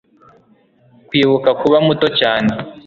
kwibuka kuba muto cyane